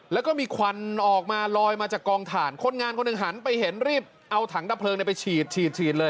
แล้วก็มีควันออกมาลอยมาจากกองถ่านคนงานคนหนึ่งหันไปเห็นรีบเอาถังดับเพลิงไปฉีดฉีดเลย